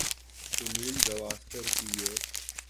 سنیل گواسکر کی یہ